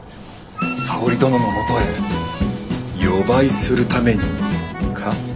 沙織殿のもとへ夜ばいするためにか？